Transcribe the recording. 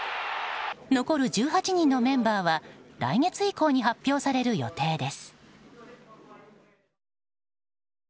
残る１８人のメンバーは来月以降に発表される予定です。